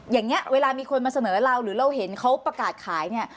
อย่างนี้เวลามีคนมาเสนอเราหรือเราเห็นเขาประกาศขายเนี่ย